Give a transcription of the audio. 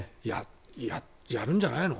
やるんじゃないの？